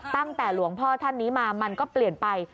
ตั้งแต่หลวงพ่อท่านนี้มามันก็เปลี่ยนไป